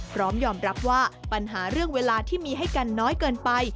พร้อมยอมรับว่าปัญหาเรื่องเวลาที่มีให้กันน้อยเกินไป